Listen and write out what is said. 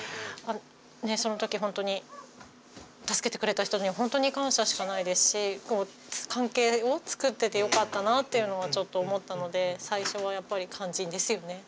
そのとき本当に助けてくれた人には本当に感謝しかないですし関係を作っててよかったなっていうのはちょっと思ったので最初がやっぱり肝心ですよね。